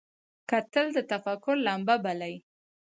کتل د تفکر لمبه بلي